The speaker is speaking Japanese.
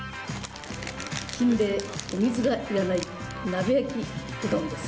キンレイお水がいらない鍋焼うどんです。